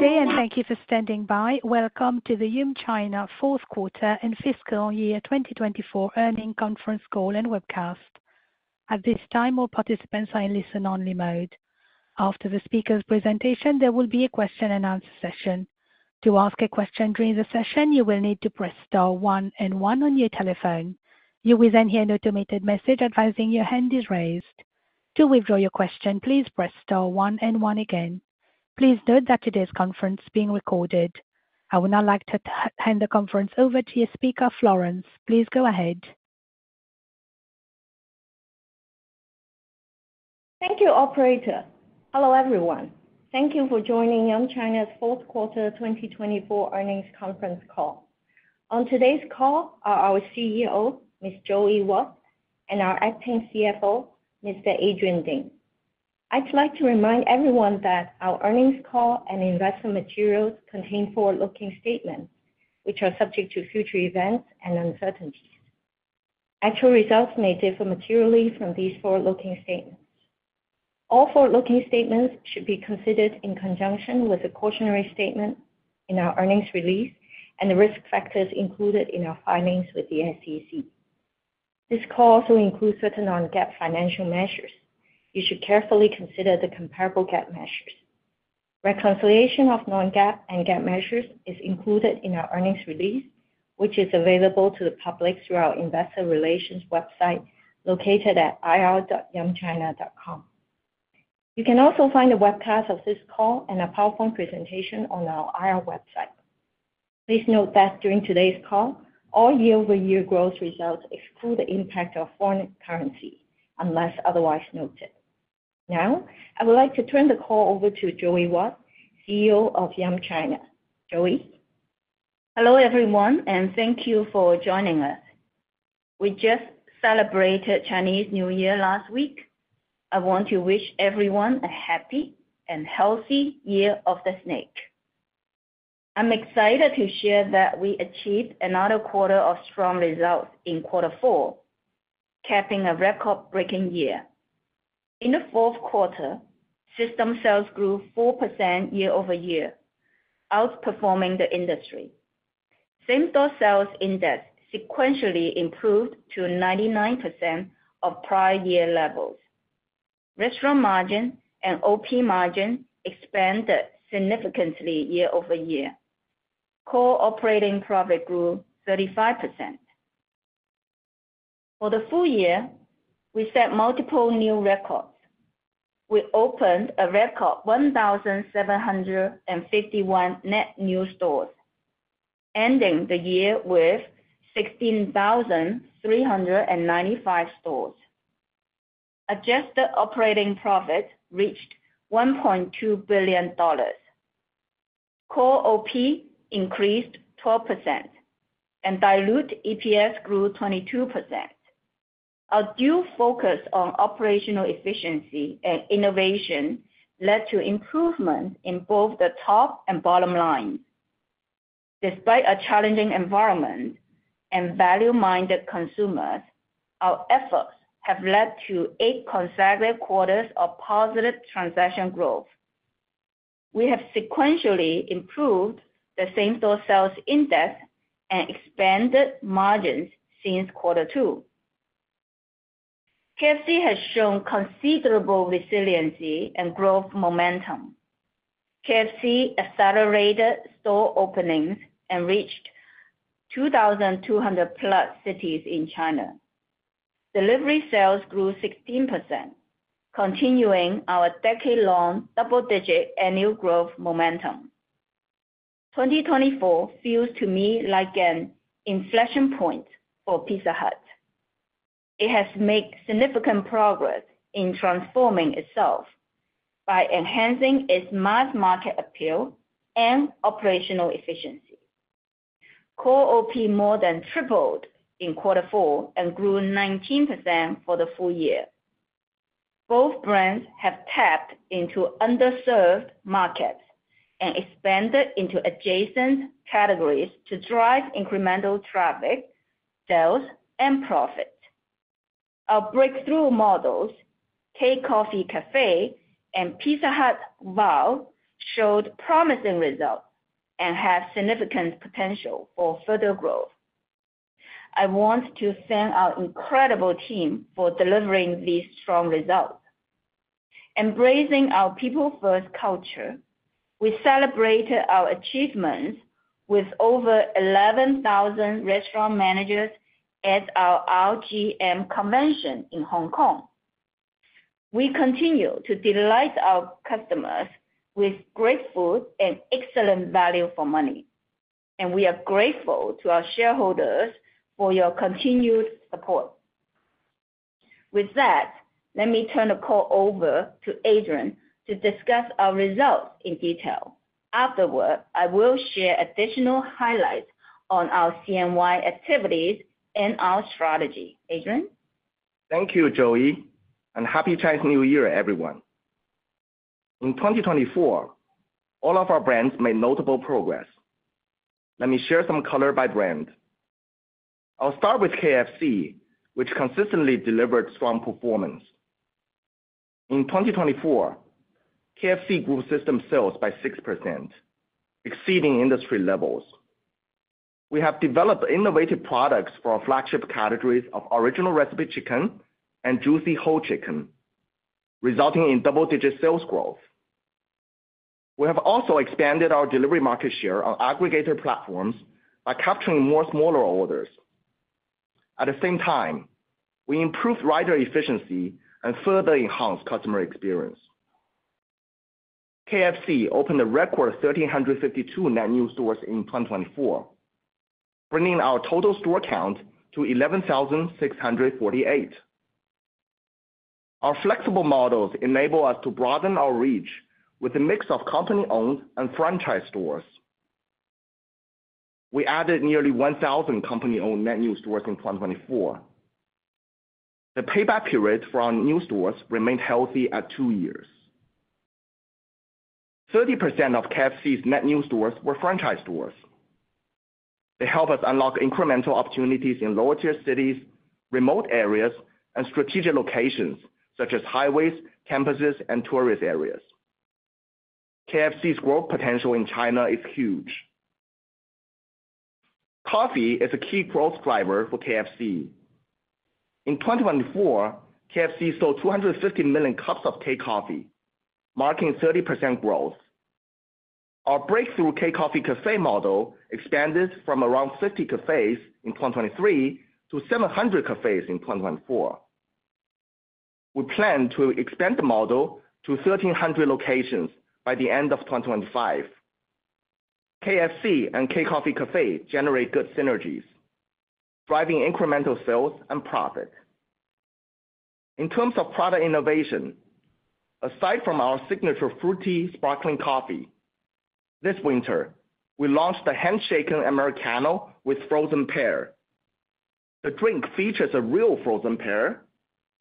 Okay, and thank you for standing by. Welcome to the Yum China Fourth Quarter and Fiscal Year 2024 Earnings Conference Call and Webcast. At this time, all participants are in listen-only mode. After the speaker's presentation, there will be a question-and-answer session. To ask a question during the session, you will need to press star one and one on your telephone. You will then hear an automated message advising your hand is raised. To withdraw your question, please press star one and one again. Please note that today's conference is being recorded. I would now like to hand the conference over to your speaker, Florence. Please go ahead. Thank you, Operator. Hello, everyone. Thank you for joining Yum China's Fourth Quarter 2024 Earnings Conference Call. On today's call are our CEO, Ms. Joey Wat, and our acting CFO, Mr. Adrian Ding. I'd like to remind everyone that our earnings call and investment materials contain forward-looking statements, which are subject to future events and uncertainties. Actual results may differ materially from these forward-looking statements. All forward-looking statements should be considered in conjunction with a cautionary statement in our earnings release and the risk factors included in our filings with the SEC. This call also includes certain non-GAAP financial measures. You should carefully consider the comparable GAAP measures. Reconciliation of non-GAAP and GAAP measures is included in our earnings release, which is available to the public through our investor relations website located at ir.yumchina.com. You can also find a webcast of this call and a PowerPoint presentation on our IR website. Please note that during today's call, all year-over-year growth results exclude the impact of foreign currency unless otherwise noted. Now, I would like to turn the call over to Joey Wat, CEO of Yum China. Joey. Hello, everyone, and thank you for joining us. We just celebrated Chinese New Year last week. I want to wish everyone a happy and healthy Year of the Snake. I'm excited to share that we achieved another quarter of strong results in Quarter Four, capping a record-breaking year. In the fourth quarter, system sales grew 4% year-over-year, outperforming the industry. Same-store sales index sequentially improved to 99% of prior year levels. Restaurant margin and OP margin expanded significantly year-over-year. Core operating profit grew 35%. For the full year, we set multiple new records. We opened a record 1,751 net new stores, ending the year with 16,395 stores. Adjusted operating profit reached $1.2 billion. Core OP increased 12%, and diluted EPS grew 22%. Our dual focus on operational efficiency and innovation led to improvements in both the top and bottom lines. Despite a challenging environment and value-minded consumers, our efforts have led to eight consecutive quarters of positive transaction growth. We have sequentially improved the same-store sales index and expanded margins since Quarter Two. KFC has shown considerable resiliency and growth momentum. KFC accelerated store openings and reached 2,200-plus cities in China. Delivery sales grew 16%, continuing our decade-long double-digit annual growth momentum. 2024 feels to me like an inflection point for Pizza Hut. It has made significant progress in transforming itself by enhancing its mass market appeal and operational efficiency. Core OP more than tripled in Quarter Four and grew 19% for the full year. Both brands have tapped into underserved markets and expanded into adjacent categories to drive incremental traffic, sales, and profit. Our breakthrough models, K-Coffee Café and Pizza Hut WOW, showed promising results and have significant potential for further growth. I want to thank our incredible team for delivering these strong results. Embracing our people-first culture, we celebrated our achievements with over 11,000 restaurant managers at our RGM convention in Hong Kong. We continue to delight our customers with great food and excellent value for money, and we are grateful to our shareholders for your continued support. With that, let me turn the call over to Adrian to discuss our results in detail. Afterward, I will share additional highlights on our CNY activities and our strategy. Adrian? Thank you, Joey, and happy Chinese New Year, everyone. In 2024, all of our brands made notable progress. Let me share some color by brand. I'll start with KFC, which consistently delivered strong performance. In 2024, KFC grew system sales by 6%, exceeding industry levels. We have developed innovative products for our flagship categories of Original Recipe Chicken and Juicy Whole Chicken, resulting in double-digit sales growth. We have also expanded our delivery market share on aggregator platforms by capturing more smaller orders. At the same time, we improved rider efficiency and further enhanced customer experience. KFC opened a record 1,352 net new stores in 2024, bringing our total store count to 11,648. Our flexible models enable us to broaden our reach with a mix of company-owned and franchise stores. We added nearly 1,000 company-owned net new stores in 2024. The payback period for our new stores remained healthy at two years. 30% of KFC's net new stores were franchise stores. They help us unlock incremental opportunities in lower-tier cities, remote areas, and strategic locations such as highways, campuses, and tourist areas. KFC's growth potential in China is huge. Coffee is a key growth driver for KFC. In 2024, KFC sold 250 million cups of K-Coffee, marking 30% growth. Our breakthrough K-Coffee Café model expanded from around 50 cafés in 2023 to 700 cafés in 2024. We plan to expand the model to 1,300 locations by the end of 2025. KFC and K-Coffee Café generate good synergies, driving incremental sales and profit. In terms of product innovation, aside from our signature fruity sparkling coffee, this winter, we launched the hand-shaken Americano with frozen pear. The drink features a real frozen pear,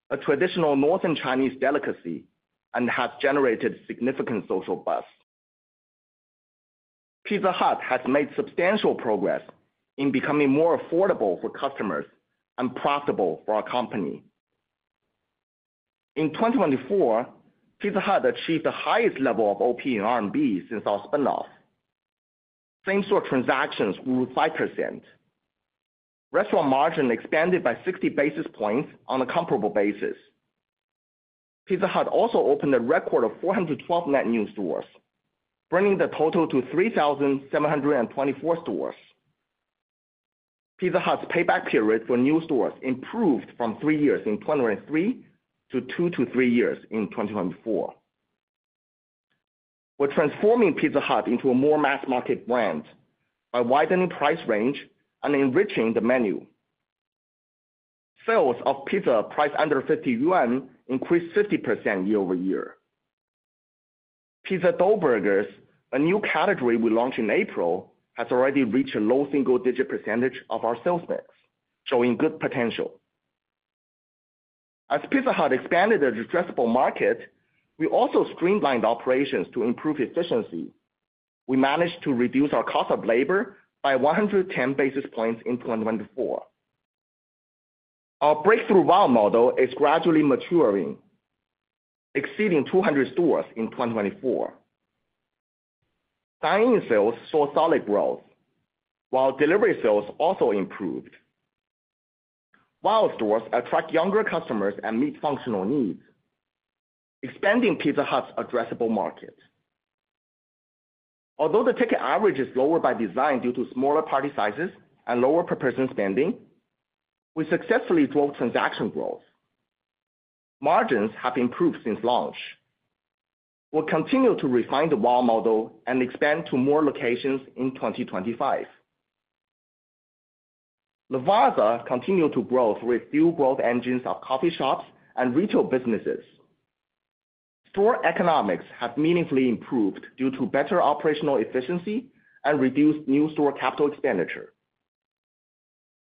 a traditional Northern Chinese delicacy, and has generated significant social buzz. Pizza Hut has made substantial progress in becoming more affordable for customers and profitable for our company. In 2024, Pizza Hut achieved the highest level of OP in R&B since our spinoff. Same-store transactions grew 5%. Restaurant margin expanded by 60 basis points on a comparable basis. Pizza Hut also opened a record of 412 net new stores, bringing the total to 3,724 stores. Pizza Hut's payback period for new stores improved from three years in 2023 to two to three years in 2024. We're transforming Pizza Hut into a more mass-market brand by widening price range and enriching the menu. Sales of pizza priced under 50 yuan increased 50% year-over-year. Pizza Dough Burgers, a new category we launched in April, has already reached a low single-digit % of our sales mix, showing good potential. As Pizza Hut expanded the addressable market, we also streamlined operations to improve efficiency. We managed to reduce our cost of labor by 110 basis points in 2024. Our breakthrough WOW model is gradually maturing, exceeding 200 stores in 2024. Dining sales saw solid growth, while delivery sales also improved. WOW stores attract younger customers and meet functional needs, expanding Pizza Hut's addressable market. Although the ticket average is lower by design due to smaller party sizes and lower per-person spending, we successfully drove transaction growth. Margins have improved since launch. We'll continue to refine the WOW model and expand to more locations in 2025. Lavazza continued to grow through its new growth engines of coffee shops and retail businesses. Store economics have meaningfully improved due to better operational efficiency and reduced new store capital expenditure.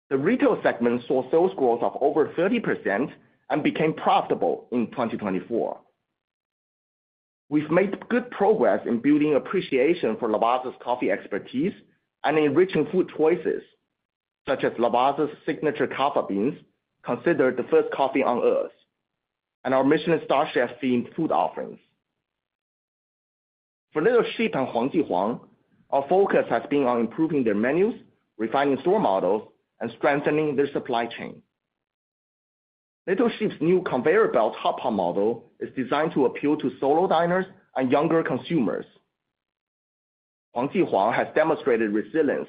The retail segment saw sales growth of over 30% and became profitable in 2024. We've made good progress in building appreciation for Lavazza's coffee expertise and enriching food choices, such as Lavazza's signature Kafa Beans, considered the first coffee on earth, and our Michelin-starred chef-themed food offerings. For Little Sheep and Huang Ji Huang, our focus has been on improving their menus, refining store models, and strengthening their supply chain. Little Sheep's new conveyor belt hot pot model is designed to appeal to solo diners and younger consumers. Huang Ji Huang has demonstrated resilience,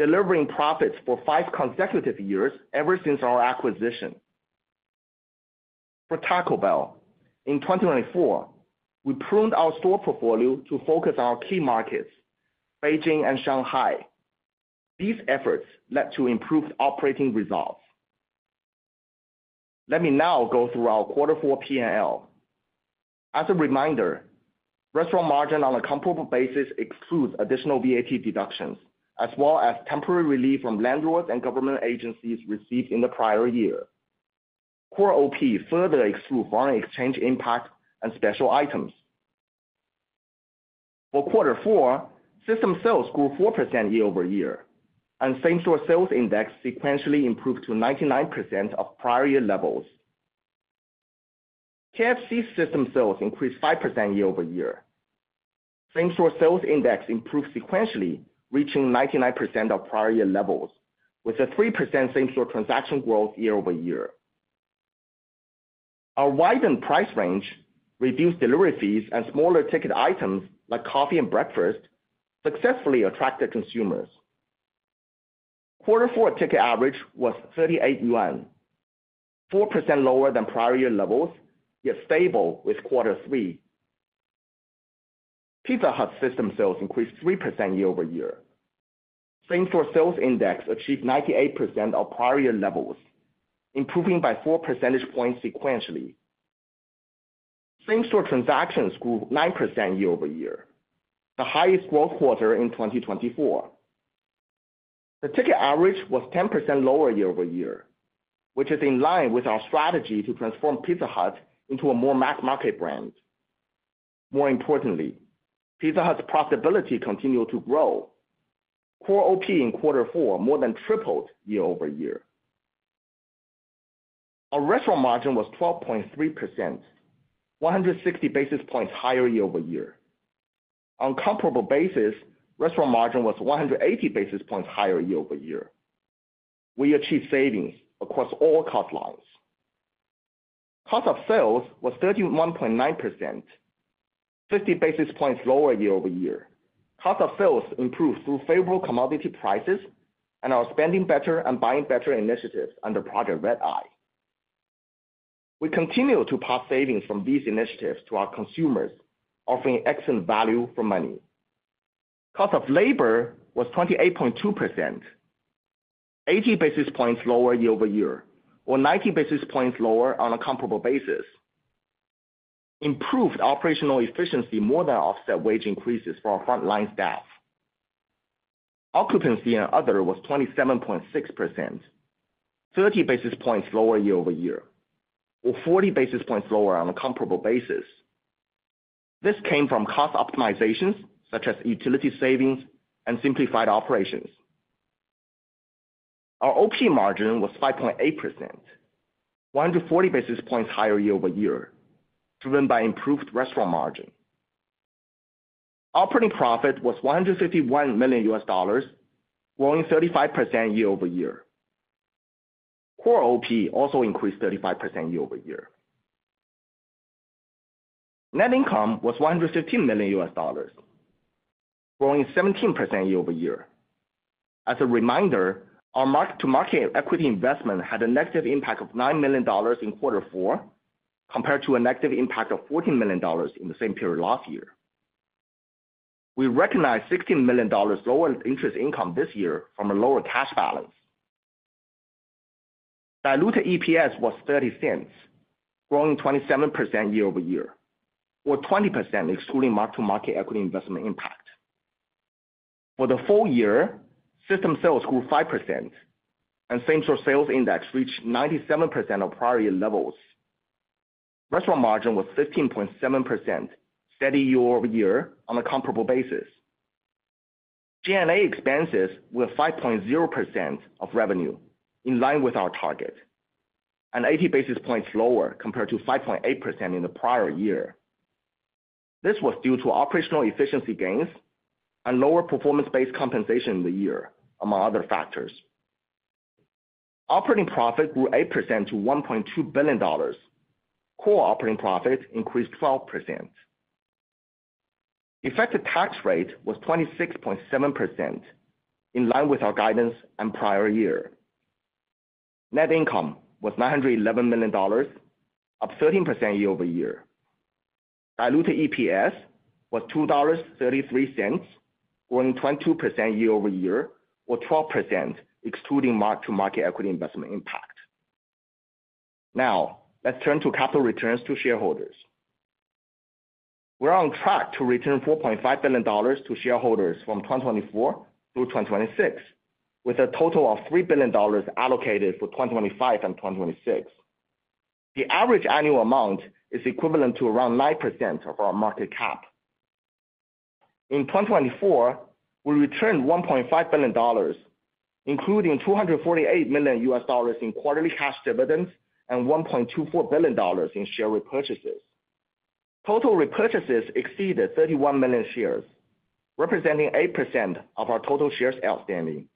delivering profits for five consecutive years ever since our acquisition. For Taco Bell, in 2024, we pruned our store portfolio to focus on our key markets, Beijing and Shanghai. These efforts led to improved operating results. Let me now go through our Quarter Four P&L. As a reminder, restaurant margin on a comparable basis excludes additional VAT deductions, as well as temporary relief from landlords and government agencies received in the prior year. Core OP further excludes foreign exchange impact and special items. For Quarter Four, system sales grew 4% year-over-year, and same-store sales index sequentially improved to 99% of prior year levels. KFC's system sales increased 5% year-over-year. Same-store sales index improved sequentially, reaching 99% of prior year levels, with a 3% same-store transaction growth year-over-year. Our widened price range, reduced delivery fees, and smaller ticket items like coffee and breakfast successfully attracted consumers. Quarter Four ticket average was 38 yuan, 4% lower than prior year levels, yet stable with Quarter Three. Pizza Hut's system sales increased 3% year-over-year. Same-store sales index achieved 98% of prior year levels, improving by 4 percentage points sequentially. Same-store transactions grew 9% year-over-year, the highest growth quarter in 2024. The ticket average was 10% lower year-over-year, which is in line with our strategy to transform Pizza Hut into a more mass-market brand. More importantly, Pizza Hut's profitability continued to grow. Core OP in Quarter Four more than tripled year-over-year. Our restaurant margin was 12.3%, 160 basis points higher year-over-year. On a comparable basis, restaurant margin was 180 basis points higher year-over-year. We achieved savings across all cost lines. Cost of sales was 31.9%, 50 basis points lower year-over-year. Cost of sales improved through favorable commodity prices and our spending better and buying better initiatives under Project Red Eye. We continue to pass savings from these initiatives to our consumers, offering excellent value for money. Cost of labor was 28.2%, 80 basis points lower year-over-year, or 90 basis points lower on a comparable basis. Improved operational efficiency more than offset wage increases for our frontline staff. Occupancy and other was 27.6%, 30 basis points lower year-over-year, or 40 basis points lower on a comparable basis. This came from cost optimizations such as utility savings and simplified operations. Our OP margin was 5.8%, 140 basis points higher year-over-year, driven by improved restaurant margin. Operating profit was $151 million, growing 35% year-over-year. Core OP also increased 35% year-over-year. Net income was $115 million, growing 17% year-over-year. As a reminder, our mark-to-market equity investment had a negative impact of $9 million in Quarter Four compared to a negative impact of $14 million in the same period last year. We recognized $16 million lower interest income this year from a lower cash balance. Diluted EPS was $0.30, growing 27% year-over-year, or 20% excluding mark-to-market equity investment impact. For the full year, system sales grew 5%, and same-store sales index reached 97% of prior year levels. Restaurant margin was 15.7%, steady year-over-year on a comparable basis. G&A expenses were 5.0% of revenue, in line with our target, and 80 basis points lower compared to 5.8% in the prior year. This was due to operational efficiency gains and lower performance-based compensation in the year, among other factors. Operating profit grew 8% to $1.2 billion. Core operating profit increased 12%. Effective tax rate was 26.7%, in line with our guidance and prior year. Net income was $911 million, up 13% year-over-year. Diluted EPS was $2.33, growing 22% year-over-year, or 12% excluding mark-to-market equity investment impact. Now, let's turn to capital returns to shareholders. We're on track to return $4.5 billion to shareholders from 2024 through 2026, with a total of $3 billion allocated for 2025 and 2026. The average annual amount is equivalent to around 9% of our market cap. In 2024, we returned $1.5 billion, including $248 million in quarterly cash dividends and $1.24 billion in share repurchases. Total repurchases exceeded 31 million shares, representing 8% of our total shares outstanding.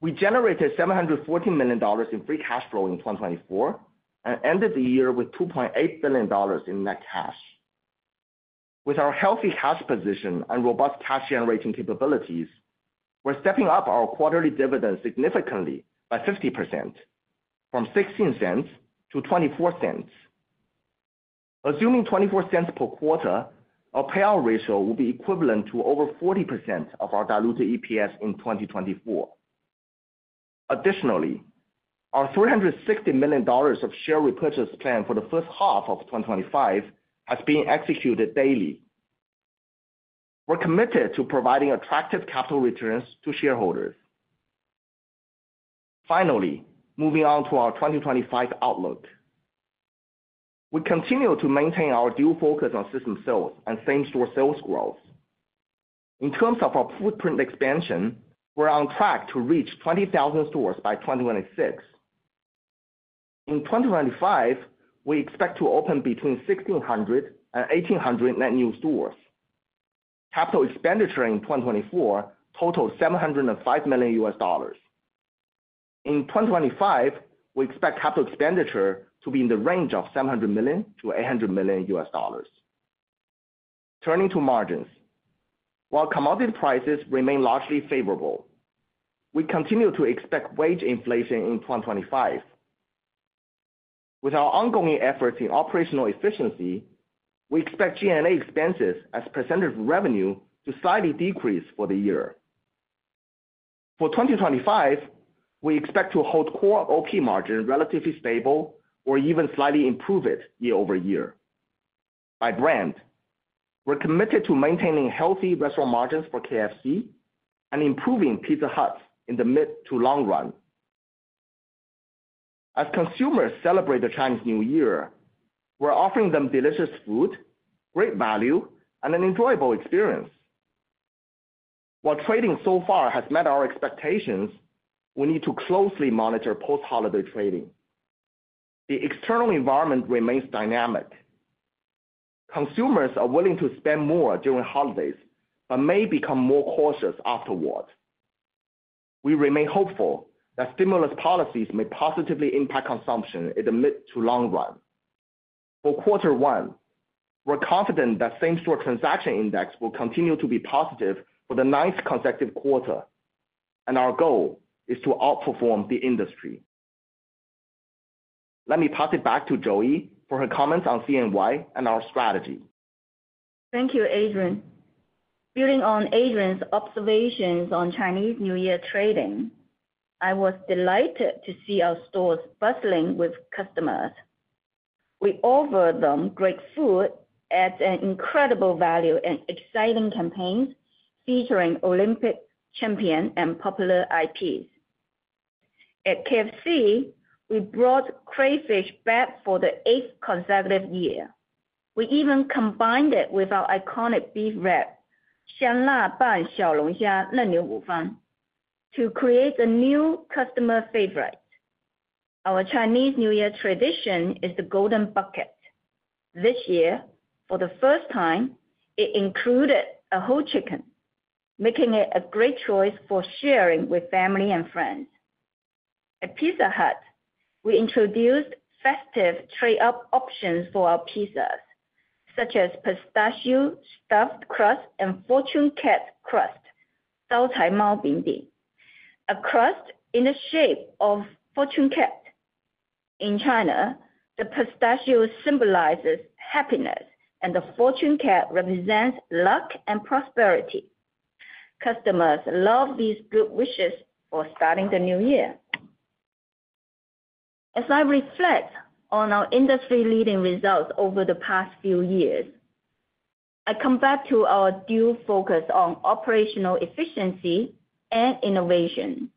We generated $714 million in free cash flow in 2024 and ended the year with $2.8 billion in net cash. With our healthy cash position and robust cash-generating capabilities, we're stepping up our quarterly dividends significantly by 50%, from $0.16 to $0.24. Assuming $0.24 per quarter, our payout ratio will be equivalent to over 40% of our diluted EPS in 2024. Additionally, our $360 million of share repurchase plan for the first half of 2025 has been executed daily. We're committed to providing attractive capital returns to shareholders. Finally, moving on to our 2025 outlook. We continue to maintain our dual focus on system sales and same-store sales growth. In terms of our footprint expansion, we're on track to reach 20,000 stores by 2026. In 2025, we expect to open between 1,600 and 1,800 net new stores. Capital expenditure in 2024 totaled $705 million. In 2025, we expect capital expenditure to be in the range of $700 million to $800 million. Turning to margins. While commodity prices remain largely favorable, we continue to expect wage inflation in 2025. With our ongoing efforts in operational efficiency, we expect G&A expenses as a percentage of revenue to slightly decrease for the year. For 2025, we expect to hold Core OP margin relatively stable or even slightly improve it year-over-year. By brand, we're committed to maintaining healthy restaurant margins for KFC and improving Pizza Hut in the mid to long run. As consumers celebrate the Chinese New Year, we're offering them delicious food, great value, and an enjoyable experience. While trading so far has met our expectations, we need to closely monitor post-holiday trading. The external environment remains dynamic. Consumers are willing to spend more during holidays but may become more cautious afterward. We remain hopeful that stimulus policies may positively impact consumption in the mid to long run. For Quarter One, we're confident that same-store transaction index will continue to be positive for the ninth consecutive quarter, and our goal is to outperform the industry. Let me pass it back to Joey for her comments on CNY and our strategy. Thank you, Adrian. Building on Adrian's observations on Chinese New Year trading, I was delighted to see our stores bustling with customers. We offered them great food at an incredible value and exciting campaigns featuring Olympic champion and popular IPs. At KFC, we brought crayfish back for the eighth consecutive year. We even combined it with our iconic beef wrap, Xian La Ban Xiao Long Xia Niu Rou Juan, to create a new customer favorite. Our Chinese New Year tradition is the Golden Bucket. This year, for the first time, it included a whole chicken, making it a great choice for sharing with family and friends. At Pizza Hut, we introduced festive trade-up options for our pizzas, such as pistachio-stuffed crust and Fortune Cat crust, 招财猫饼饼, a crust in the shape of a Fortune Cat. In China, the pistachio symbolizes happiness, and the Fortune Cat represents luck and prosperity. Customers love these good wishes for starting the new year. As I reflect on our industry-leading results over the past few years, I come back to our dual focus on operational efficiency and innovation.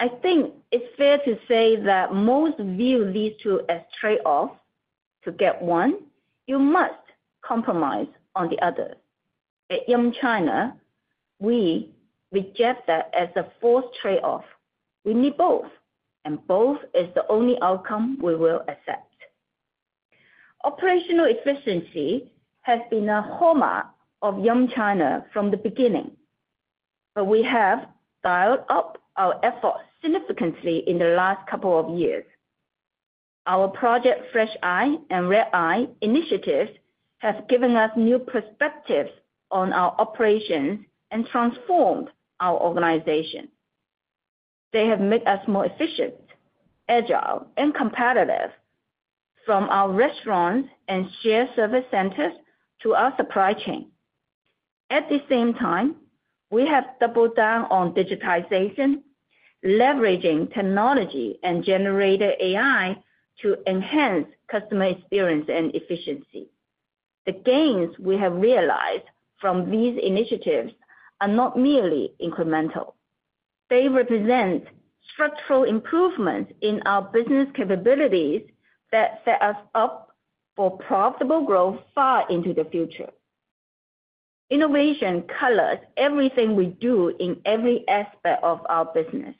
I think it's fair to say that most view these two as trade-offs. To get one, you must compromise on the other. At Yum China, we reject that as a forced trade-off. We need both, and both is the only outcome we will accept. Operational efficiency has been a hallmark of Yum China from the beginning, but we have dialed up our efforts significantly in the last couple of years. Our Project Red Eye and Fresh Eye initiatives have given us new perspectives on our operations and transformed our organization. They have made us more efficient, agile, and competitive, from our restaurants and shared service centers to our supply chain. At the same time, we have doubled down on digitization, leveraging technology and generative AI to enhance customer experience and efficiency. The gains we have realized from these initiatives are not merely incremental. They represent structural improvements in our business capabilities that set us up for profitable growth far into the future. Innovation colors everything we do in every aspect of our business.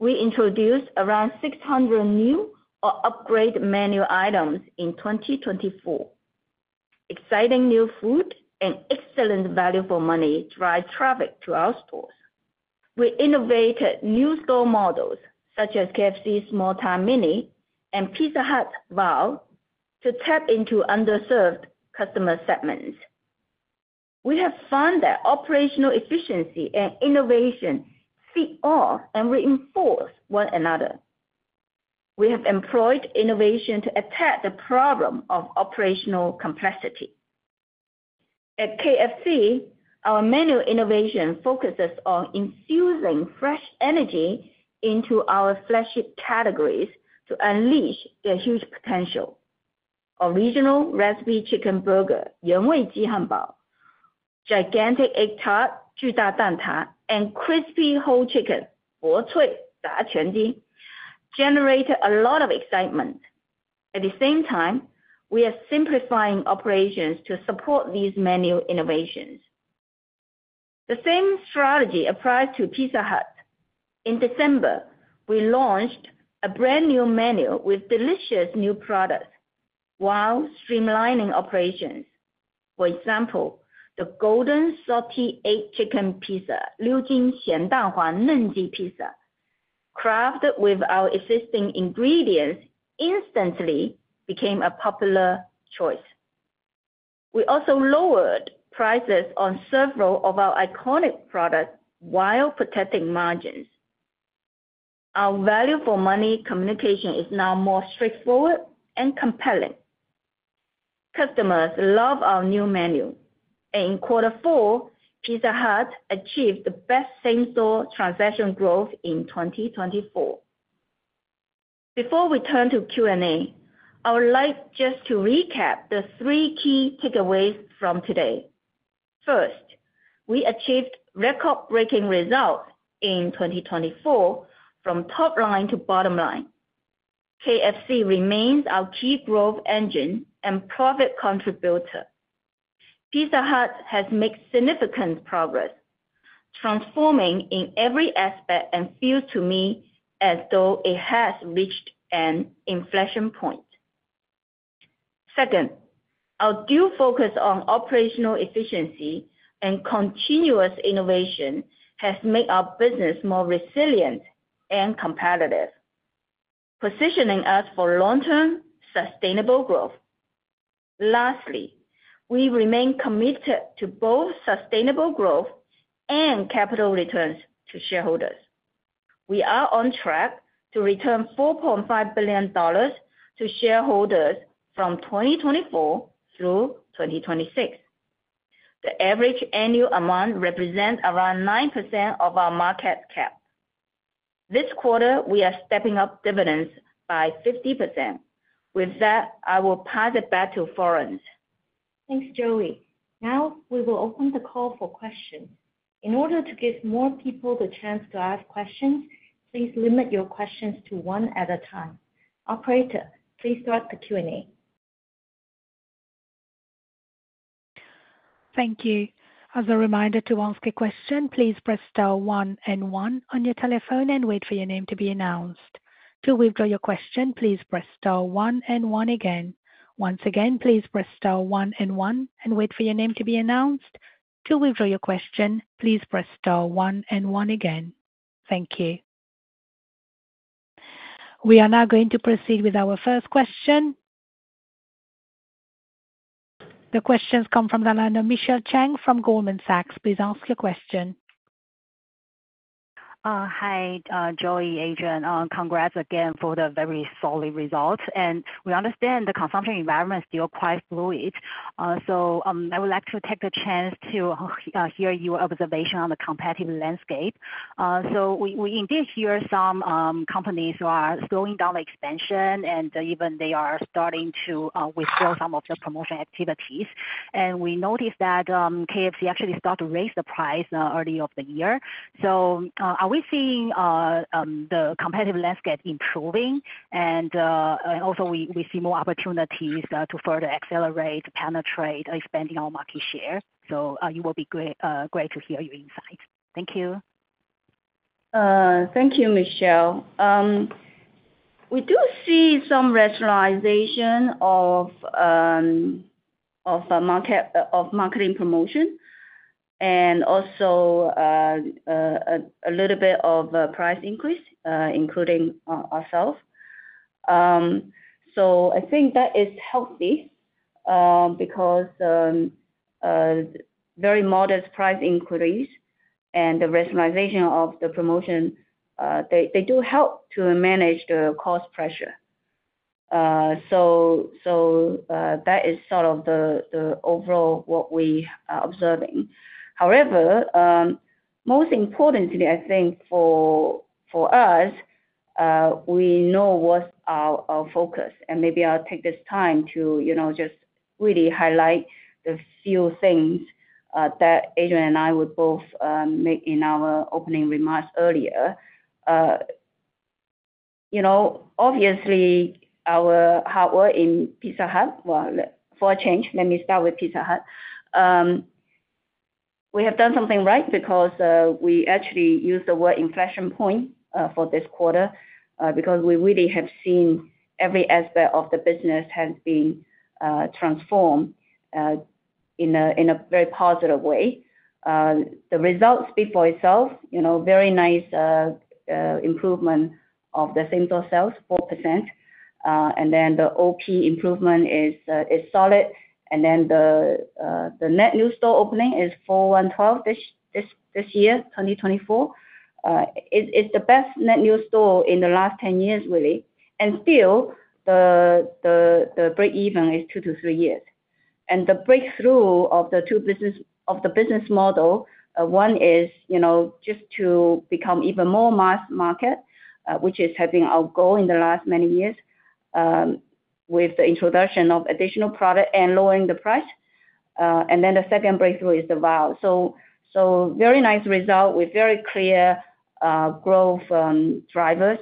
We introduced around 600 new or upgraded menu items in 2024. Exciting new food and excellent value for money drive traffic to our stores. We innovated new store models such as KFC Small Town Mini and Pizza Hut WOW to tap into underserved customer segments. We have found that operational efficiency and innovation feed off and reinforce one another. We have employed innovation to attack the problem of operational complexity. At KFC, our menu innovation focuses on infusing fresh energy into our flagship categories to unleash their huge potential. Original Recipe Chicken Burger, 原味鸡汉堡, Gigantic Egg Tart, 巨大蛋挞, and Crispy Whole Chicken, 薄脆炸全鸡, generated a lot of excitement. At the same time, we are simplifying operations to support these menu innovations. The same strategy applies to Pizza Hut. In December, we launched a brand new menu with delicious new products while streamlining operations. For example, the Golden Salty Egg Chicken Pizza, 流金咸蛋黄嫩鸡 pizza, crafted with our existing ingredients, instantly became a popular choice. We also lowered prices on several of our iconic products while protecting margins. Our value for money communication is now more straightforward and compelling. Customers love our new menu, and in Quarter Four, Pizza Hut achieved the best same-store transaction growth in 2024. Before we turn to Q&A, I would like just to recap the three key takeaways from today. First, we achieved record-breaking results in 2024 from top line to bottom line. KFC remains our key growth engine and profit contributor. Pizza Hut has made significant progress, transforming in every aspect and feels to me as though it has reached an inflection point. Second, our dual focus on operational efficiency and continuous innovation has made our business more resilient and competitive, positioning us for long-term sustainable growth. Lastly, we remain committed to both sustainable growth and capital returns to shareholders. We are on track to return $4.5 billion to shareholders from 2024 through 2026. The average annual amount represents around 9% of our market cap. This quarter, we are stepping up dividends by 50%. With that, I will pass it back to Florence. Thanks, Joey. Now, we will open the call for questions. In order to give more people the chance to ask questions, please limit your questions to one at a time. Operator, please start the Q&A. Thank you. As a reminder to ask a question, please press star one and one on your telephone and wait for your name to be announced. To withdraw your question, please press star one and one again. Once again, please press star one and one and wait for your name to be announced. To withdraw your question, please press star one and one again. Thank you. We are now going to proceed with our first question. The question comes from the line of Michelle Cheng from Goldman Sachs. Please ask your question. Hi, Joey, Adrian. Congrats again for the very solid results. And we understand the consumption environment is still quite fluid. So I would like to take the chance to hear your observation on the competitive landscape. So we indeed hear some companies are slowing down the expansion, and even they are starting to withdraw some of their promotion activities. And we noticed that KFC actually started to raise the price earlier of the year. So are we seeing the competitive landscape improving? And also, we see more opportunities to further accelerate, penetrate, expanding our market share. So it will be great to hear your insights. Thank you. Thank you, Michelle. We do see some rationalization of marketing promotion and also a little bit of price increase, including ourselves. So I think that is healthy because very modest price increase and the rationalization of the promotion, they do help to manage the cost pressure. So that is sort of the overall what we are observing. However, most importantly, I think for us, we know what our focus is. And maybe I'll take this time to just really highlight the few things that Adrian and I would both make in our opening remarks earlier. Obviously, our hard work in Pizza Hut for a change, let me start with Pizza Hut. We have done something right because we actually used the word inflection point for this quarter because we really have seen every aspect of the business has been transformed in a very positive way. The results speak for itself. Very nice improvement of the same-store sales, 4%. And then the OP improvement is solid. And then the net new store opening is 412 this year, 2024. It's the best net new store in the last 10 years, really. Still, the break-even is two to three years. The breakthrough of the two business model, one is just to become even more mass market, which has been our goal in the last many years with the introduction of additional product and lowering the price. Then the second breakthrough is the WOW. Very nice result with very clear growth drivers.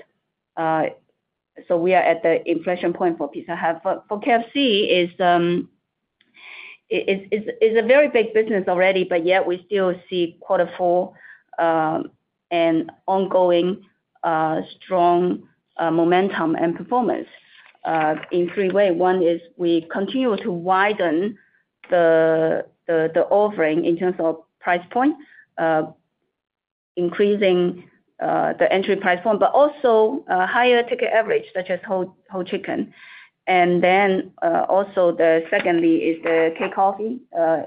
We are at the inflection point for Pizza Hut. For KFC, it is a very big business already, but yet we still see quarter four and ongoing strong momentum and performance in three ways. One is we continue to widen the offering in terms of price point, increasing the entry price point, but also higher ticket average, such as whole chicken. Then also the secondly is the K-Coffee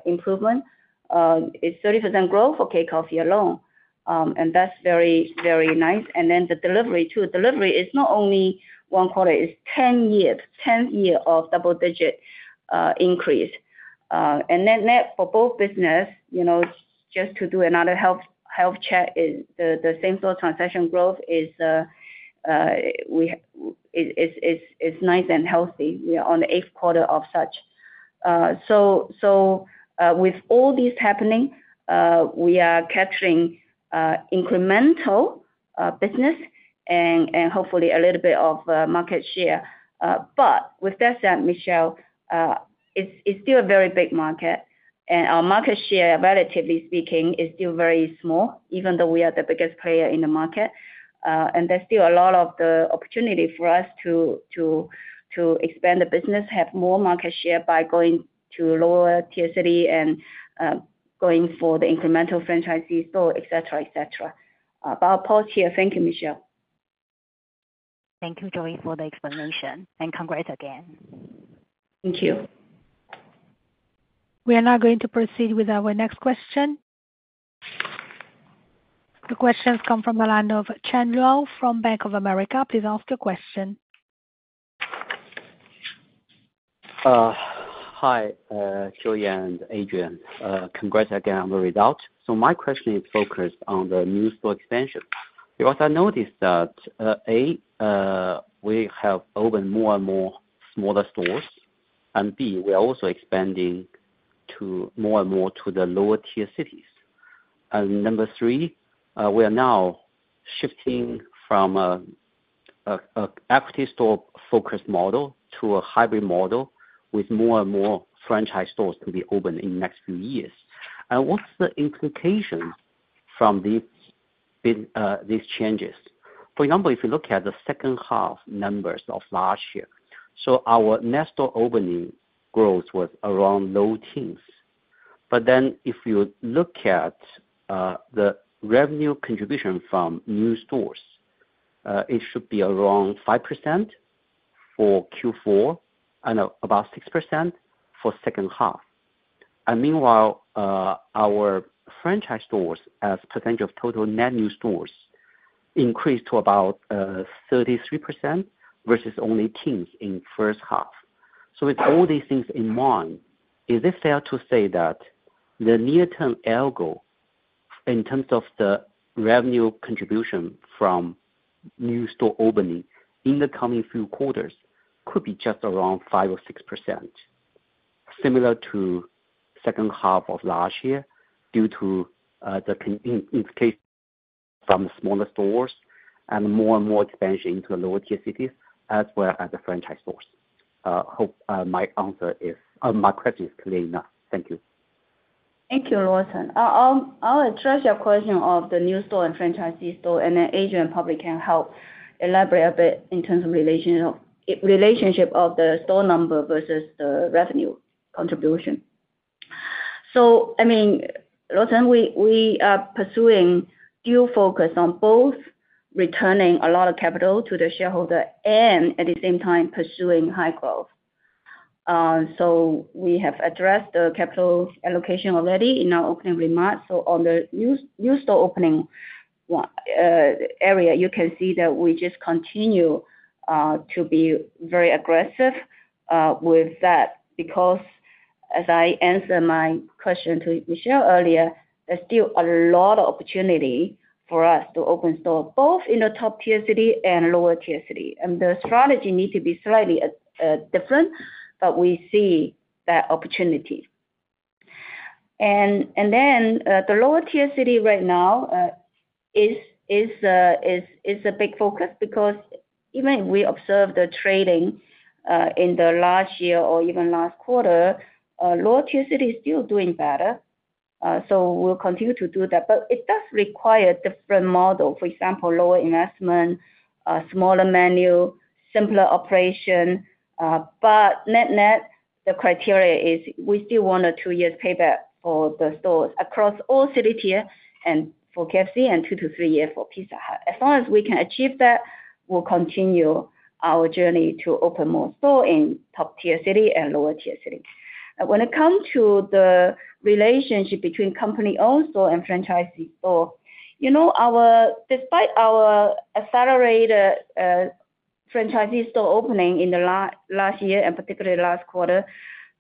improvement. It is 30% growth for K-Coffee alone. That is very, very nice. Then the delivery too. Delivery is not only one quarter. It's 10 years, 10th year of double-digit increase. And then net for both business, just to do another health check, the same-store transaction growth is nice and healthy. We are on the eighth quarter of such. So with all these happening, we are capturing incremental business and hopefully a little bit of market share. But with that said, Michelle, it's still a very big market. And our market share, relatively speaking, is still very small, even though we are the biggest player in the market. And there's still a lot of the opportunity for us to expand the business, have more market share by going to lower tier city and going for the incremental franchisee store, etc., etc. But I'll pause here. Thank you, Michelle. Thank you, Joey, for the explanation. And congrats again. Thank you. We are now going to proceed with our next question. The question comes from the line of Chen Luo from Bank of America. Please ask your question. Hi, Joey and Adrian. Congrats again on the results. So my question is focused on the new store expansion. Because I noticed that, A, we have opened more and more smaller stores, and B, we're also expanding more and more to the lower-tier cities. And number three, we are now shifting from an equity store-focused model to a hybrid model with more and more franchise stores to be opened in the next few years. And what's the implication from these changes? For example, if you look at the second-half numbers of last year, so our net store opening growth was around low teens. But then if you look at the revenue contribution from new stores, it should be around 5% for Q4 and about 6% for second half. And meanwhile, our franchise stores as percentage of total net new stores increased to about 33% versus only teens in first half. So with all these things in mind, is it fair to say that the near-term algo in terms of the revenue contribution from new store opening in the coming few quarters could be just around 5 or 6%, similar to second half of last year due to the increase from smaller stores and more and more expansion into the lower-tier cities as well as the franchise stores? My answer is, my question is clear enough. Thank you. Thank you, Luo Chen. I'll address your question of the new store and franchisee store, and then Adrian probably can help elaborate a bit in terms of relationship of the store number versus the revenue contribution. So, I mean, Luo Chen, we are pursuing dual focus on both returning a lot of capital to the shareholder and at the same time pursuing high growth. So we have addressed the capital allocation already in our opening remarks. So on the new store opening area, you can see that we just continue to be very aggressive with that. Because as I answered my question to Michelle earlier, there's still a lot of opportunity for us to open store both in the top-tier city and lower-tier city. And the strategy needs to be slightly different, but we see that opportunity. And then the lower-tier city right now is a big focus because even if we observe the trading in the last year or even last quarter, lower-tier city is still doing better. So we'll continue to do that. But it does require a different model. For example, lower investment, smaller menu, simpler operation. But net-net, the criteria is we still want a two-year payback for the stores across all city tier and for KFC and two to three years for Pizza Hut. As long as we can achieve that, we'll continue our journey to open more stores in top-tier city and lower-tier city. When it comes to the relationship between company-owned store and franchisee store, despite our accelerated franchisee store opening in the last year and particularly last quarter,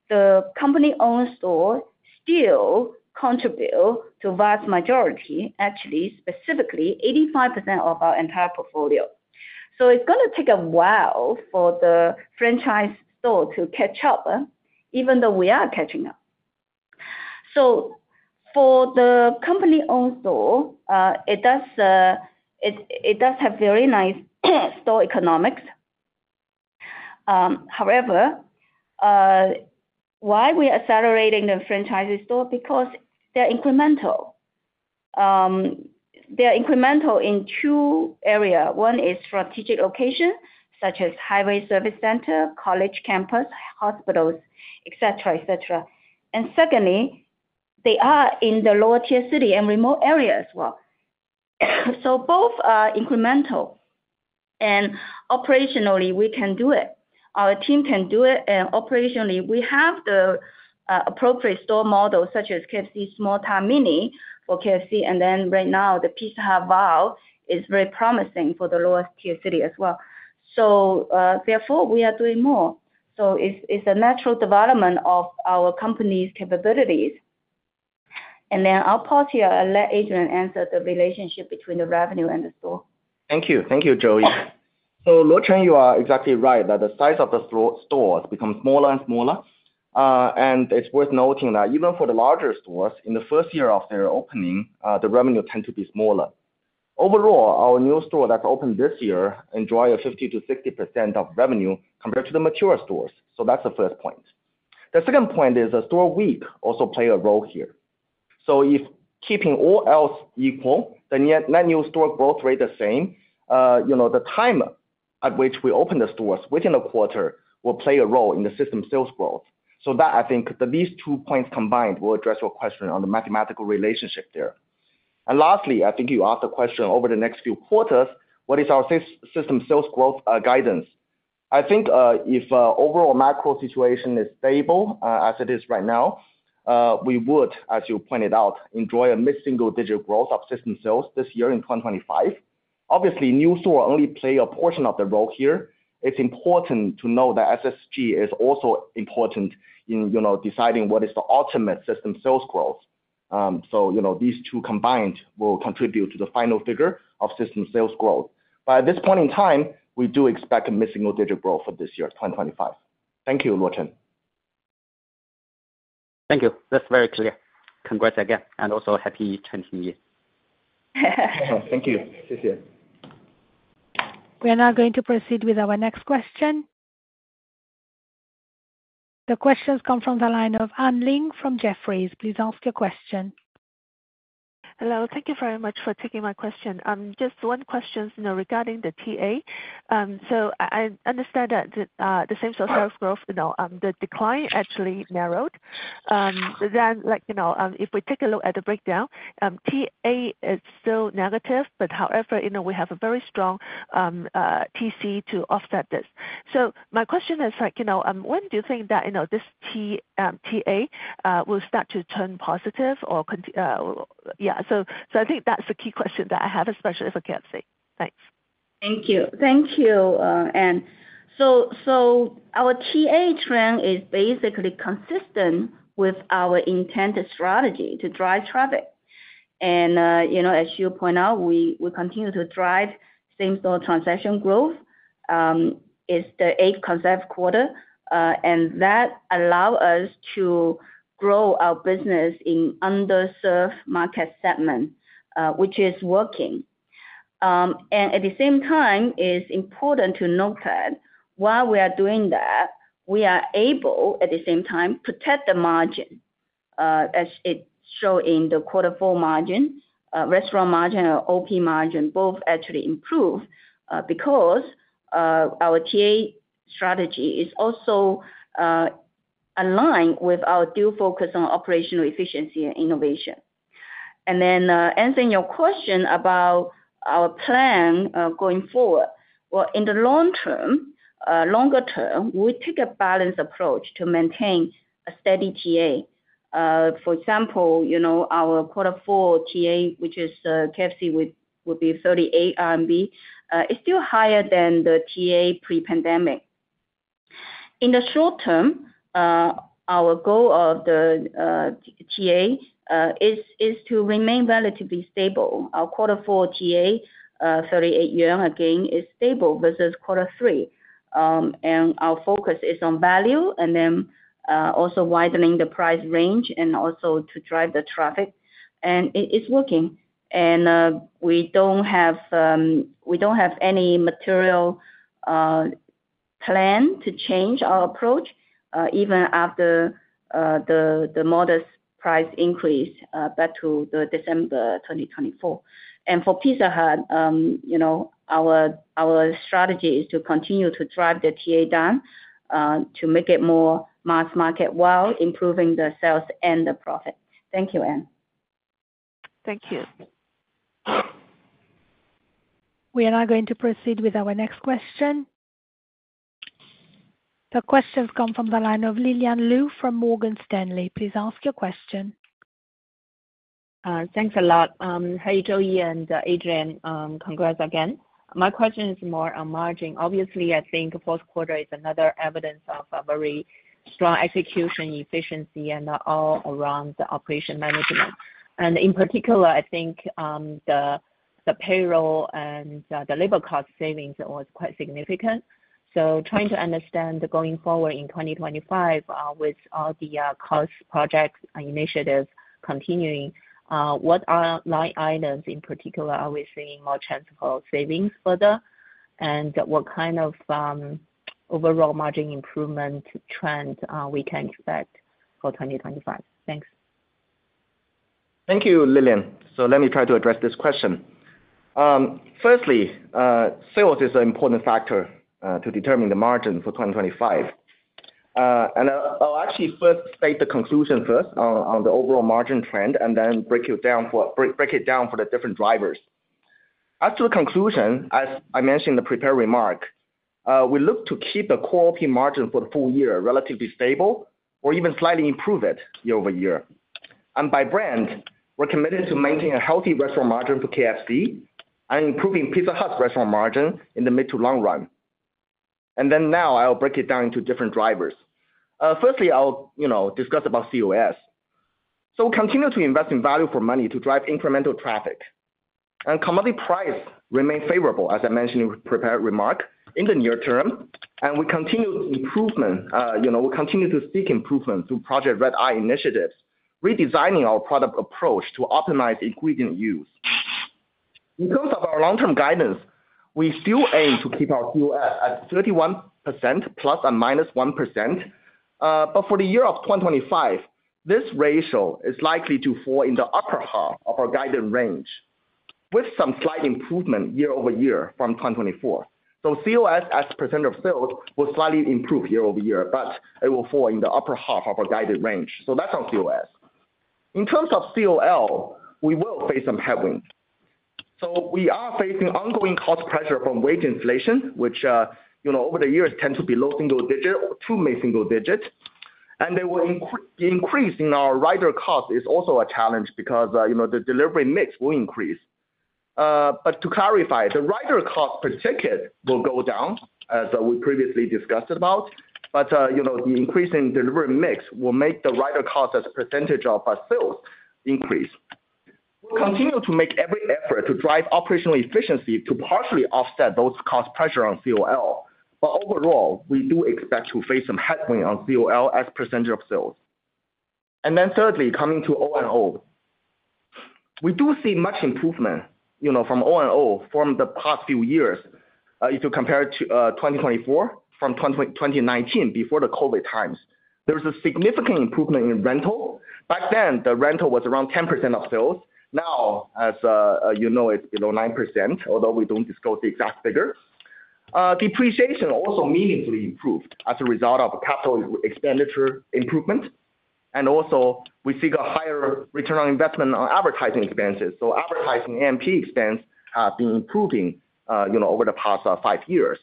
the company-owned stores still contribute to the vast majority, actually, specifically 85% of our entire portfolio. It's going to take a while for the franchise store to catch up, even though we are catching up. For the company-owned store, it does have very nice store economics. However, why are we accelerating the franchisee store? Because they're incremental. They're incremental in two areas. One is strategic location, such as highway service center, college campus, hospitals, etc., etc. And secondly, they are in the lower-tier city and remote area as well. So both are incremental. And operationally, we can do it. Our team can do it. And operationally, we have the appropriate store models, such as KFC Small Town Mini for KFC. And then right now, the Pizza Hut WOW is very promising for the lower-tier city as well. So therefore, we are doing more. It's a natural development of our company's capabilities. And then I'll pause here and let Adrian answer the relationship between the revenue and the store. Thank you. Thank you, Joey. So Luo Chen, you are exactly right that the size of the stores becomes smaller and smaller. And it's worth noting that even for the larger stores, in the first year of their opening, the revenue tends to be smaller. Overall, our new store that opened this year enjoyed a 50%-60% of revenue compared to the mature stores. So that's the first point. The second point is the store week also plays a role here. So if keeping all else equal, the net new store growth rate the same, the time at which we open the stores within a quarter will play a role in the system sales growth. So that, I think, these two points combined will address your question on the mathematical relationship there. And lastly, I think you asked the question over the next few quarters, what is our system sales growth guidance? I think if overall macro situation is stable as it is right now, we would, as you pointed out, enjoy a mid-single digit growth of system sales this year in 2025. Obviously, new store only plays a portion of the role here. It's important to know that SSG is also important in deciding what is the ultimate system sales growth. So these two combined will contribute to the final figure of system sales growth. But at this point in time, we do expect a mid-single digit growth for this year, 2025. Thank you, Chen Luo. Thank you. That's very clear. Congrats again. And also happy Chinese New Year. Thank you. See you soon. We are now going to proceed with our next question. The question comes from the line of Anne Ling from Jefferies. Please ask your question. Hello. Thank you very much for taking my question. Just one question regarding the TA. So I understand that the same-store sales growth, the decline actually narrowed. Then if we take a look at the breakdown, TA is still negative. But however, we have a very strong TC to offset this. So my question is, when do you think that this TA will start to turn positive or yeah? So I think that's the key question that I have, especially for KFC. Thanks. Thank you. Thank you, Anne. Our TA trend is basically consistent with our intended strategy to drive traffic. And as you point out, we continue to drive same-store transaction growth. It's the eighth consecutive quarter. And that allows us to grow our business in underserved market segment, which is working. At the same time, it's important to note that while we are doing that, we are able at the same time to protect the margin. As it shows in the quarter four margin, restaurant margin, and OP margin, both actually improve because our TA strategy is also aligned with our dual focus on operational efficiency and innovation. Answering your question about our plan going forward, well, in the longer term, we take a balanced approach to maintain a steady TA. For example, our quarter four TA, which is KFC, would be 38 RMB. It's still higher than the TA pre-pandemic. In the short term, our goal of the TA is to remain relatively stable. Our quarter four TA, 38 yuan again, is stable versus quarter three. Our focus is on value and then also widening the price range and also to drive the traffic. It's working. We don't have any material plan to change our approach even after the modest price increase back to December 2024. For Pizza Hut, our strategy is to continue to drive the TA down to make it more mass market while improving the sales and the profit. Thank you, Anne. Thank you. We are now going to proceed with our next question. The question comes from the line of Lillian Lou from Morgan Stanley. Please ask your question. Thanks a lot. Hey, Joey and Adrian. Congrats again. My question is more on margin. Obviously, I think the fourth quarter is another evidence of a very strong execution, efficiency, and all around the operation management. In particular, I think the payroll and the labor cost savings was quite significant. So, trying to understand going forward in 2025 with all the cost projects and initiatives continuing, what line items in particular are we seeing more chance for savings further? And what kind of overall margin improvement trend we can expect for 2025? Thanks. Thank you, Lilian. So let me try to address this question. Firstly, sales is an important factor to determine the margin for 2025. And I'll actually first state the conclusion first on the overall margin trend and then break it down for the different drivers. As to the conclusion, as I mentioned in the prepared remark, we look to keep the core OP margin for the full year relatively stable or even slightly improve it year-over-year. And by brand, we're committed to maintaining a healthy restaurant margin for KFC and improving Pizza Hut's restaurant margin in the mid to long run. Now I'll break it down into different drivers. Firstly, I'll discuss about COS. We continue to invest in value for money to drive incremental traffic. Commodity price remains favorable, as I mentioned in the prepared remark, in the near term. We continue to improve them. We continue to seek improvement through Project Red Eye initiatives, redesigning our product approach to optimize equivalent use. In terms of our long-term guidance, we still aim to keep our COS at 31% ± 1%. For the year of 2025, this ratio is likely to fall in the upper half of our guided range with some slight improvement year-over-year from 2024. COS as % of sales will slightly improve year-over-year, but it will fall in the upper half of our guided range. That's our COS. In terms of COL, we will face some headwinds, so we are facing ongoing cost pressure from wage inflation, which over the years tends to be low single digit or too many single digits. The increase in our rider cost is also a challenge because the delivery mix will increase. To clarify, the rider cost per ticket will go down, as we previously discussed about. The increase in delivery mix will make the rider cost as a percentage of our sales increase. We'll continue to make every effort to drive operational efficiency to partially offset those cost pressures on COL. Overall, we do expect to face some headwinds on COL as a percentage of sales. Then, thirdly, coming to O&O, we do see much improvement from O&O from the past few years if you compare it to 2024 from 2019 before the COVID times. There was a significant improvement in rental. Back then, the rental was around 10% of sales. Now, as you know, it's below 9%, although we don't disclose the exact figure. Depreciation also meaningfully improved as a result of capital expenditure improvement. And also, we see a higher return on investment on advertising expenses. So advertising and A&P expenses have been improving over the past five years.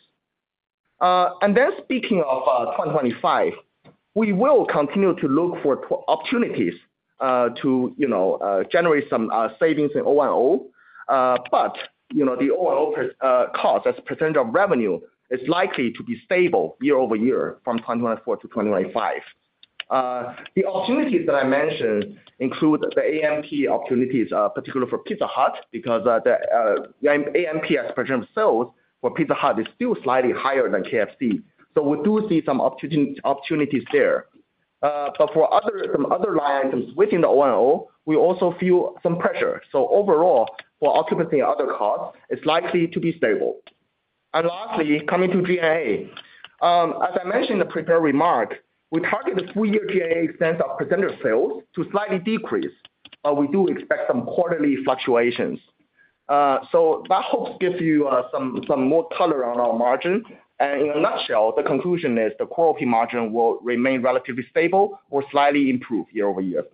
And then speaking of 2025, we will continue to look for opportunities to generate some savings in O&O. But the O&O cost as a percentage of revenue is likely to be stable year-over-year from 2024 to 2025. The opportunities that I mentioned include the A&P opportunities, particularly for Pizza Hut, because the A&P as % of sales for Pizza Hut is still slightly higher than KFC. So we do see some opportunities there. But for some other line items within the O&O, we also feel some pressure. So overall, for occupancy and other costs, it's likely to be stable. And lastly, coming to G&A. As I mentioned in the prepared remark, we target the full-year G&A expense of percentage of sales to slightly decrease, but we do expect some quarterly fluctuations. So that hopes gives you some more color on our margin. And in a nutshell, the conclusion is the core OP margin will remain relatively stable or slightly improved year-over-year.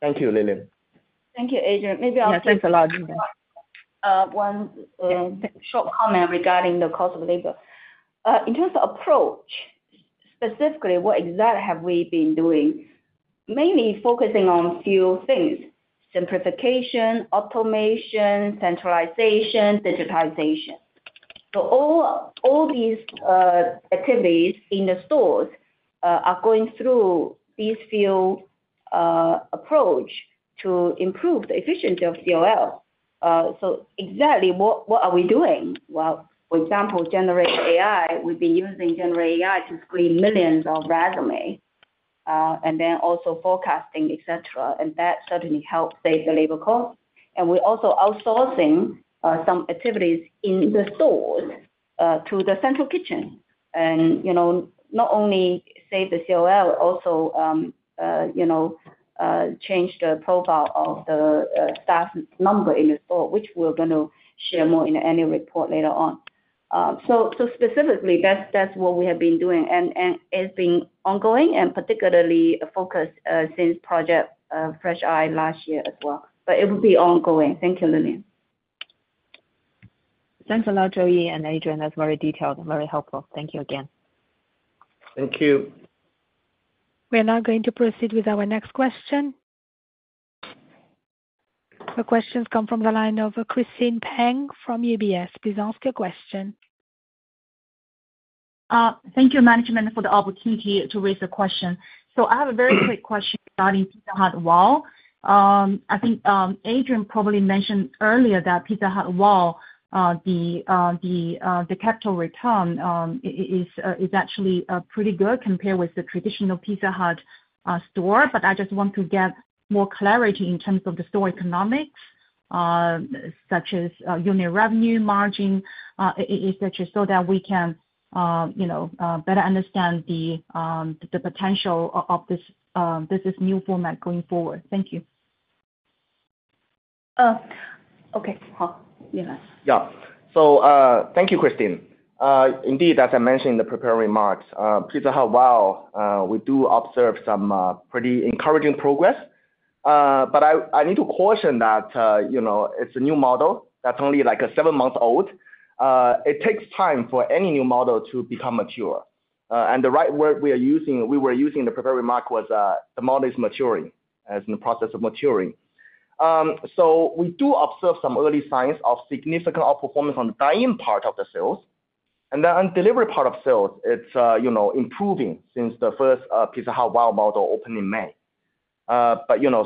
Thank you, Lillian. Thank you, Adrian. Maybe I'll finish. Thanks a lot, Lillian. One short comment regarding the cost of labor. In terms of approach, specifically, what exactly have we been doing? Mainly focusing on a few things: simplification, automation, centralization, digitization. So all these activities in the stores are going through these few approaches to improve the efficiency of COL. So exactly what are we doing? Well, for example, Generative AI. We've been using Generative AI to screen millions of resumes and then also forecasting, etc. And that certainly helps save the labor cost. And we're also outsourcing some activities in the stores to the central kitchen. And not only save the COL, also change the profile of the staff number in the store, which we're going to share more in any report later on. So specifically, that's what we have been doing. And it's been ongoing and particularly focused since Project Fresh Eye last year as well. But it will be ongoing. Thank you, Lillian. Thanks a lot, Joey and Adrian. That's very detailed and very helpful. Thank you again. Thank you. We are now going to proceed with our next question. The question comes from the line of Christine Peng from UBS. Please ask your question. Thank you, management, for the opportunity to raise a question. So I have a very quick question regarding Pizza Hut WOW. I think Adrian probably mentioned earlier that Pizza Hut WOW, the capital return, is actually pretty good compared with the traditional Pizza Hut store. But I just want to get more clarity in terms of the store economics, such as unit revenue, margin, etc., so that we can better understand the potential of this new format going forward. Thank you. Okay. Yeah. So thank you, Christine. Indeed, as I mentioned in the prepared remarks, Pizza Hut WOW, we do observe some pretty encouraging progress. But I need to caution that it's a new model. That's only like seven months old. It takes time for any new model to become mature, and the right word we were using in the prepared remark was the model is maturing as in the process of maturing. We do observe some early signs of significant outperformance on the buying part of the sales, and then on delivery part of sales, it's improving since the first Pizza Hut WOW model opened in May.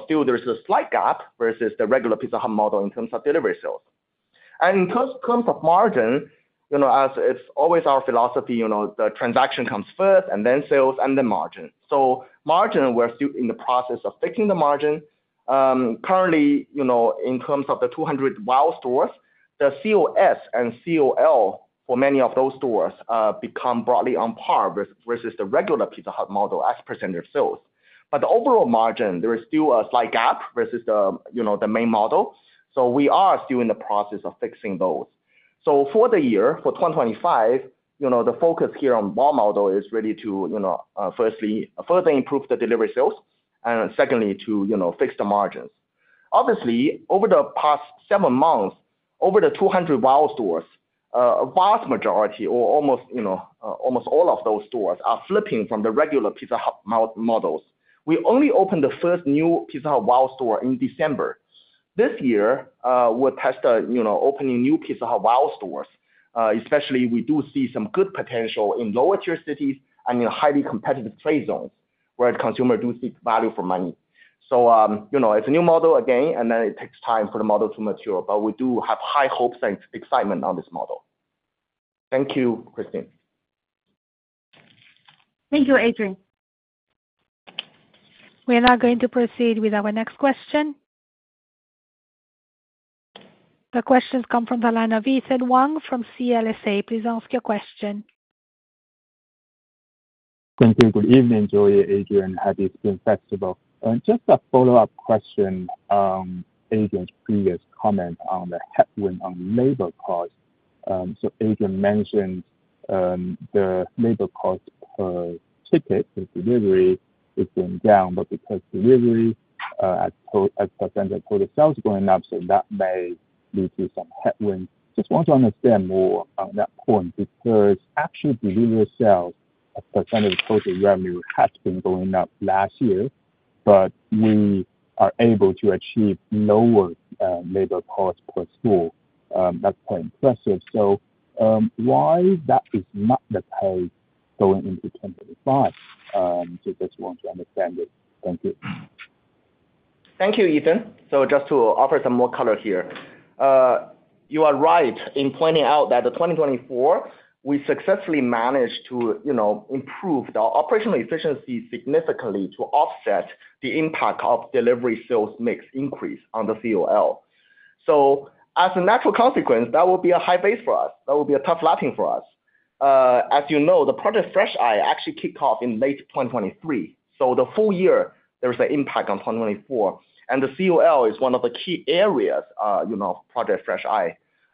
Still, there's a slight gap versus the regular Pizza Hut model in terms of delivery sales, and in terms of margin, as it's always our philosophy, the transaction comes first and then sales and then margin. Margin, we're still in the process of fixing the margin. Currently, in terms of the 200 WOW stores, the COS and COL for many of those stores become broadly on par versus the regular Pizza Hut model as percentage of sales. But the overall margin, there is still a slight gap versus the main model. So we are still in the process of fixing those. So for the year, for 2025, the focus here on WOW model is really to firstly further improve the delivery sales and secondly to fix the margins. Obviously, over the past seven months, over the 200 WOW stores, a vast majority or almost all of those stores are flipping from the regular Pizza Hut models. We only opened the first new Pizza Hut WOW store in December. This year, we're testing opening new Pizza Hut WOW stores, especially we do see some good potential in lower-tier cities and in highly competitive trade zones where consumers do seek value for money. So it's a new model again, and then it takes time for the model to mature. But we do have high hopes and excitement on this model. Thank you, Christine. Thank you, Adrian. We are now going to proceed with our next question. The questions come from the line of Ethan Wang from CLSA. Please ask your question. Thank you. Good evening, Joey, Adrian, and happy Spring Festival. Just a follow-up question on Adrian's previous comment on the headwind on labor cost. So Adrian mentioned the labor cost per ticket for delivery has been down, but because delivery as percentage of total sales is going up, so that may lead to some headwinds. Just want to understand more on that point because actual delivery sales as percentage of total revenue has been going up last year, but we are able to achieve lower labor cost per store. That's quite impressive. So why that is not the case going into 2025? So just want to understand it. Thank you. Thank you, Ethan. So just to offer some more color here, you are right in pointing out that in 2024, we successfully managed to improve the operational efficiency significantly to offset the impact of delivery sales mix increase on the COL. So as a natural consequence, that will be a high base for us. That will be a tough comp for us. As you know, the Project Fresh Eye actually kicked off in late 2023. So the full year, there was an impact on 2024. And the COL is one of the key areas of Project Fresh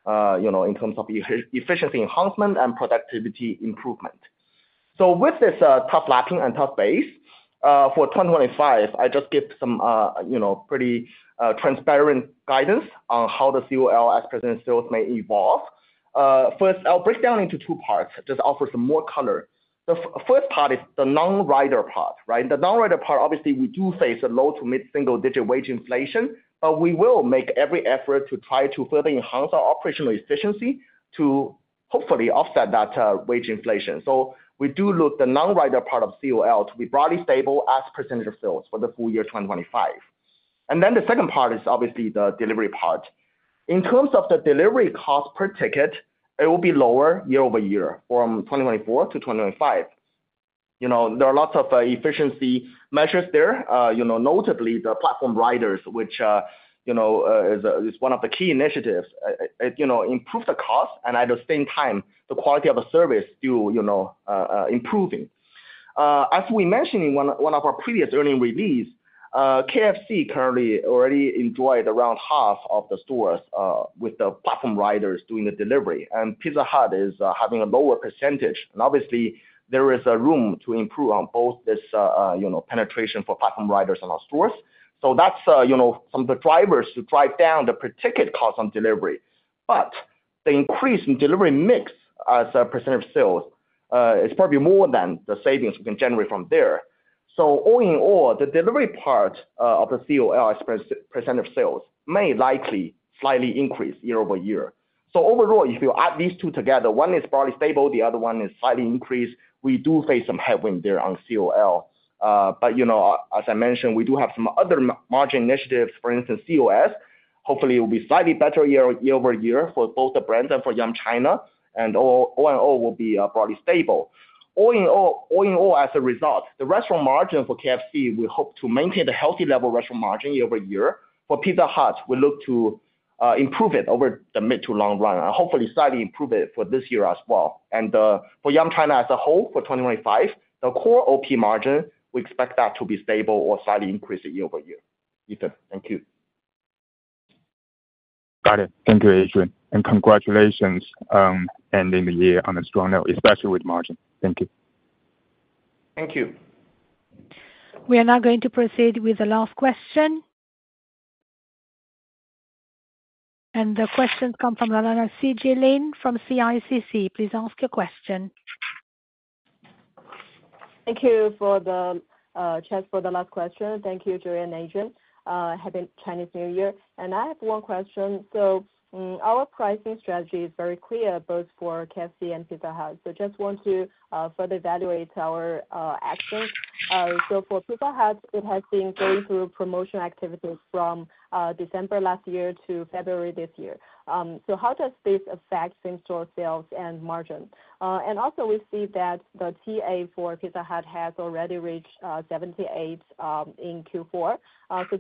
Eye in terms of efficiency enhancement and productivity improvement. So with this tough comp and tough base for 2025, I just give some pretty transparent guidance on how the COL as percentage of sales may evolve. First, I'll break down into two parts. Just offer some more color. The first part is the non-rider part, right? The non-rider part, obviously, we do face a low- to mid-single-digit wage inflation, but we will make every effort to try to further enhance our operational efficiency to hopefully offset that wage inflation. So we do look at the non-rider part of COL to be broadly stable as percentage of sales for the full year 2025. And then the second part is obviously the delivery part. In terms of the delivery cost per ticket, it will be lower year-over-year from 2024 to 2025. There are lots of efficiency measures there, notably the platform riders, which is one of the key initiatives to improve the cost and at the same time, the quality of the service still improving. As we mentioned in one of our previous earnings releases, KFC currently already enjoyed around half of the stores with the platform riders doing the delivery. And Pizza Hut is having a lower percentage. And obviously, there is room to improve on both this penetration for platform riders on our stores. So that's some of the drivers to drive down the per ticket cost on delivery. But the increase in delivery mix as a percentage of sales is probably more than the savings we can generate from there. So all in all, the delivery part of the COL as percentage of sales may likely slightly increase year-over-year. So overall, if you add these two together, one is broadly stable, the other one is slightly increased, we do face some headwinds there on COL. But as I mentioned, we do have some other margin initiatives, for instance, COS. Hopefully, it will be slightly better year-over-year for both the brands and for Yum China, and O&O will be broadly stable. All in all, as a result, the restaurant margin for KFC, we hope to maintain the healthy level restaurant margin year-over-year. For Pizza Hut, we look to improve it over the mid to long run and hopefully slightly improve it for this year as well, and for Yum China as a whole for 2025, the core OP margin, we expect that to be stable or slightly increased year-over-year. Ethan, thank you. Got it. Thank you, Adrian, and congratulations on ending the year on a strong note, especially with margin. Thank you. Thank you. We are now going to proceed with the last question, and the questions come from Sijie Lin from CICC. Please ask your question. Thank you for the chance for the last question. Thank you, Joey and Adrian. Happy Chinese New Year, and I have one question. Our pricing strategy is very clear both for KFC and Pizza Hut, so just want to further evaluate our actions. For Pizza Hut, it has been going through promotional activities from December last year to February this year, so how does this affect same-store sales and margin? And also, we see that the TA for Pizza Hut has already reached 78 in Q4.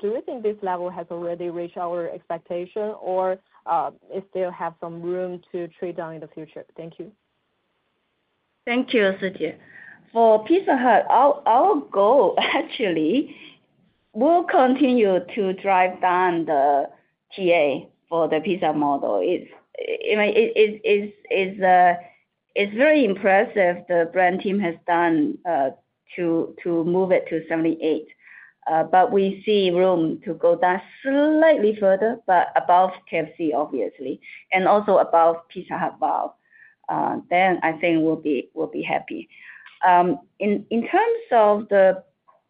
Do we think this level has already reached our expectation, or it still has some room to trade down in the future? Thank you. Thank you, Sijie. For Pizza Hut, our goal actually will continue to drive down the TA for the pizza model. It's very impressive the brand team has done to move it to 78. But we see room to go down slightly further, but above KFC, obviously, and also above Pizza Hut WOW. Then I think we'll be happy. In terms of the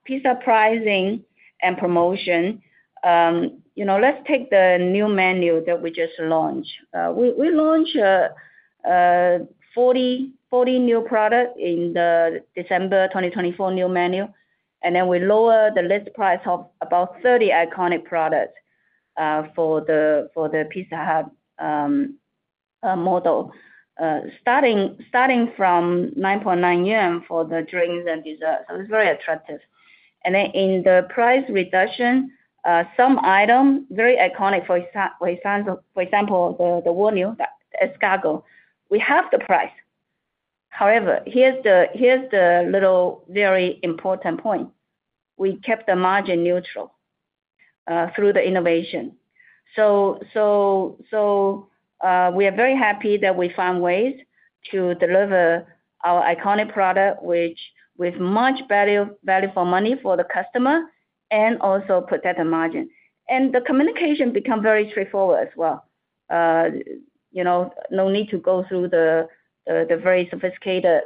pizza pricing and promotion, let's take the new menu that we just launched. We launched 40 new products in the December 2024 new menu. And then we lowered the list price of about 30 iconic products for the Pizza Hut model, starting from 9.9 for the drinks and desserts. So it's very attractive. And then in the price reduction, some items, very iconic, for example, the wonton, the escargot, we halved the price. However, here's the little very important point. We kept the margin neutral through the innovation. So we are very happy that we found ways to deliver our iconic product with much value for money for the customer and also protect the margin. And the communication became very straightforward as well. No need to go through the very sophisticated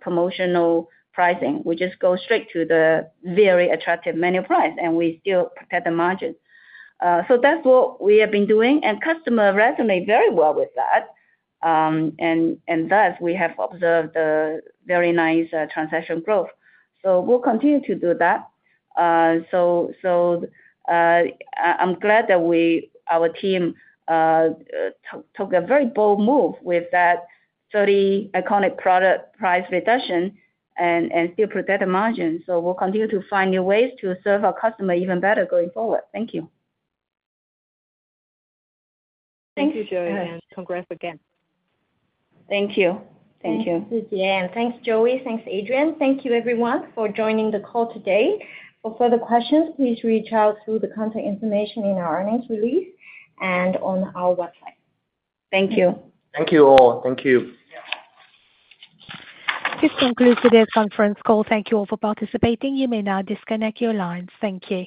promotional pricing. We just go straight to the very attractive menu price, and we still protect the margin. So that's what we have been doing. And customers resonate very well with that. And thus, we have observed very nice transaction growth. So we'll continue to do that. So I'm glad that our team took a very bold move with that 30 iconic product price reduction and still protect the margin. So we'll continue to find new ways to serve our customers even better going forward. Thank you. Thank you, Joey and congrats again. Thank you. Thank you. Thank you, Joey and thanks, Adrian. Thank you, everyone, for joining the call today. For further questions, please reach out through the contact information in our earnings release and on our website. Thank you. Thank you all. Thank you. This concludes today's conference call. Thank you all for participating. You may now disconnect your lines. Thank you.